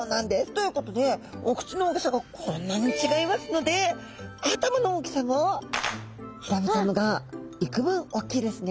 ということでお口の大きさがこんなに違いますので頭の大きさもヒラメちゃんのが幾分おっきいですね。